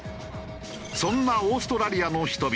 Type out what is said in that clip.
そんなオーストラリアの人々。